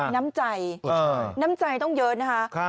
น้ำใจน้ำใจต้องเยอะนะคะ